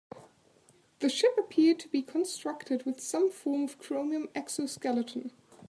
The ship appeared to be constructed with some form of chromium exoskeleton.